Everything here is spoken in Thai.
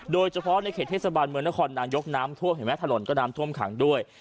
โดยเฉพาะในเขตเทศบาลเมืองนครนายกน้ำท่วมเห็นไหมถนนก็น้ำท่วมขังด้วย